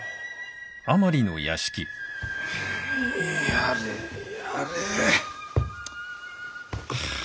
やれやれ。